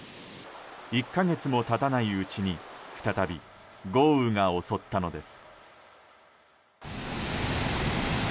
１か月も経たないうちに再び豪雨が襲ったのです。